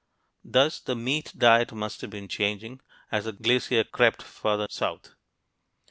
Thus, the meat diet must have been changing, as the glacier crept farther south.